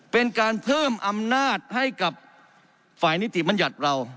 เป็นการเพิ่มอำนาจให้กับฝ่ายนิติบัญญัติเรา